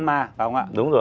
tóm lại là dự án ma